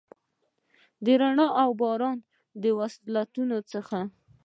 د رڼا اوباران، د وصلتونو څخه،